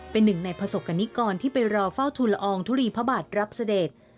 เป็นหนึ่งในประสบกรณิกรที่ไปรอเฝ้าทุนละอองทุลีพระบาทรับเสด็จ